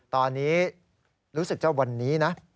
ตอนนี้รู้สึกว่าวันนี้นะ